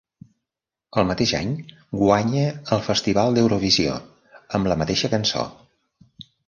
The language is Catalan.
El mateix any, guanya el Festival d'Eurovisió amb la mateixa cançó.